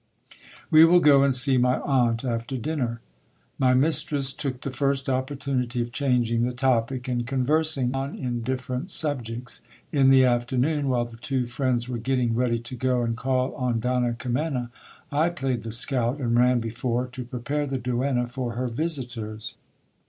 We will go and see my aunt after dinner. My mistress took the first opportunity of changing the topic, and conversing on indifferent subjects. In the afternoon, while the two friends were getting ready to go and call on Donna Kimena, I played the scout, and ran before to prepare the duenna for her visitors.